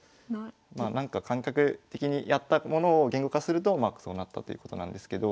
まあなんか感覚的にやったものを言語化するとまあそうなったということなんですけど。